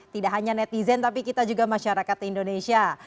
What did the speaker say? tidak hanya netizen tapi kita juga masyarakat indonesia